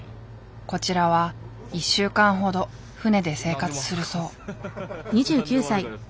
こちらは１週間ほど船で生活するそう。